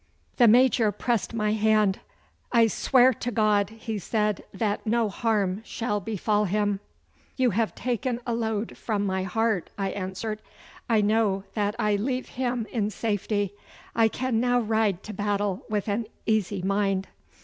The Major pressed my hand. 'I swear to God,' he said, 'that no harm shall befall him.' 'You have taken a load from my heart,' I answered; 'I know that I leave him in safety. 'I can now ride to battle with an easy mind.